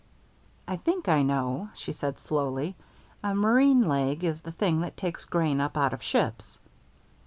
"I think I know," she said slowly; "a marine leg is the thing that takes grain up out of ships."